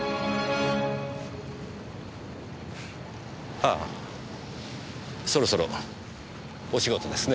ああそろそろお仕事ですね。